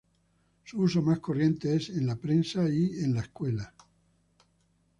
Su uso más corriente es en la prensa y en la escuela.